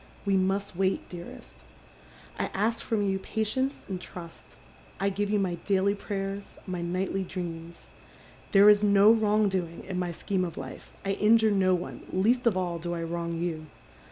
We must wait, dearest. I ask from you patience and trust. I give you my daily prayers, my nightly dreams. There is no wrong doing in my scheme of life. I injure no one, least of all do I wrong you.